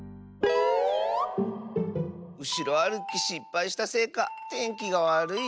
うしろあるきしっぱいしたせいかてんきがわるいね。